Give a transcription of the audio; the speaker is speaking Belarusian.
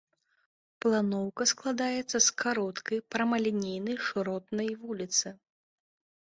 Планоўка складаецца з кароткай прамалінейнай шыротнай вуліцы.